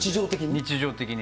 日常的に。